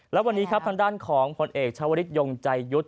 และวันนี้ครับทางด้านของผลเอกชาวริสยงใจยุทธ์